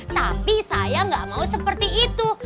tapi saya nggak mau seperti itu